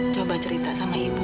coba cerita sama ibu